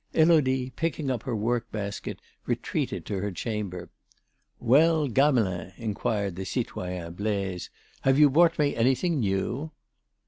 Élodie, picking up her work basket, retreated to her chamber. "Well, Gamelin!" inquired the citoyen Blaise, "have you brought me anything new?"